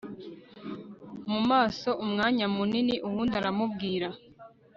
mumaso umwanya munini ubundi aramubwira